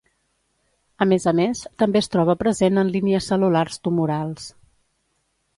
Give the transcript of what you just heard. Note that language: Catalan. A més a més, també es troba present en línies cel·lulars tumorals.